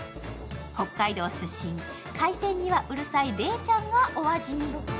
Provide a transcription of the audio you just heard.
北海道出身、海鮮にはうるさい礼ちゃんがお味見。